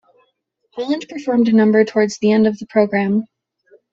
Holland performed a number towards the end of the programme.